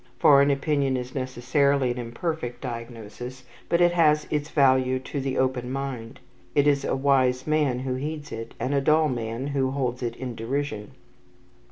Foreign opinion is necessarily an imperfect diagnosis, but it has its value to the open mind. He is a wise man who heeds it, and a dull man who holds it in derision.